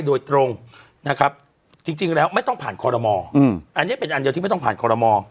โดยตรงนะครับจริงแล้วไม่ต้องผ่านคอรมออันนี้เป็นอันเดียวที่ไม่ต้องผ่านคอรมอ